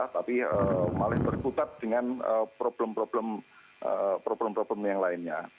tapi malah berkutat dengan problem problem yang lainnya